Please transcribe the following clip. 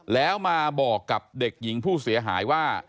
แล้วมาบอกกับเด็กหญิงผู้เสียหายว่า